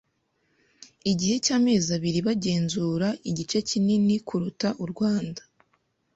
gihe cy amezi abiri bagenzuraga igice kinini kuruta u Rwanda